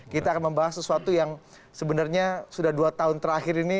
kita akan membahas sesuatu yang sebenarnya sudah dua tahun terakhir ini